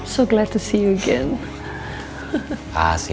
senang banget ketemu bapak lagi